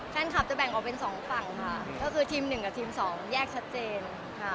แฟนคลับจะแบ่งออกเป็นสองฝั่งค่ะก็คือทีมหนึ่งกับทีมสองแยกชัดเจนค่ะ